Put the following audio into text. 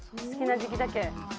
好きな時期だけ。